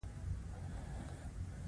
مشروعیت او د تاوان د جبران حق پکې دی.